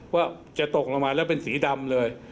ว่าจะตกลงมาแล้วเป็นสีดำเลย